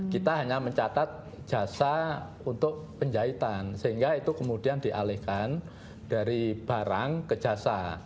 kita hanya mencatat jasa untuk penjahitan sehingga itu kemudian dialihkan dari barang ke jasa